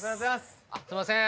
・すいません